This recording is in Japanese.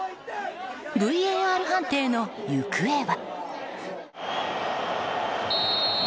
ＶＡＲ判定の行方は。